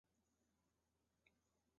阿尔古热。